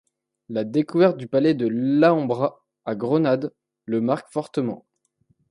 La découverte du palais de l'Alhambra à Grenade le marque fortement.